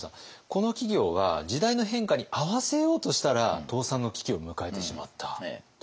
この企業は時代の変化に合わせようとしたら倒産の危機を迎えてしまったっていうことですね。